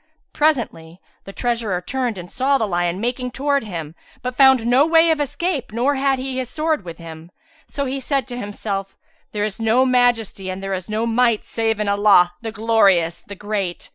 Presentry the treasurer turned and saw the lion making towards him; but found no way of escape nor had he his sword with him. So he said in himself, "There is no Majesty and there is no Might save in Allah, the Glorious, the Great!